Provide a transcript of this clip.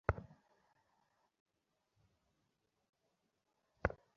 হ্যাঁ, মনে হয় তাই।